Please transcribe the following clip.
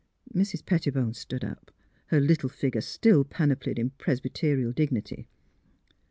Mrs. Pettibone stood up, her little figure still panoplied in Presbyterial dignity.